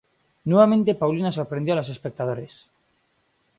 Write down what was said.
Nuevamente Paulina sorprendió a los espectadores.